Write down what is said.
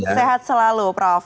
sehat selalu prof